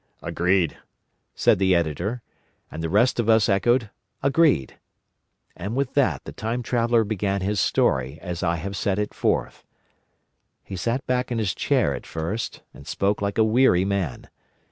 "Agreed," said the Editor, and the rest of us echoed "Agreed." And with that the Time Traveller began his story as I have set it forth. He sat back in his chair at first, and spoke like a weary man.